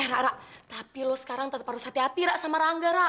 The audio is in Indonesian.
eh ra ra tapi lo sekarang tetep harus hati hati ra sama rangga ra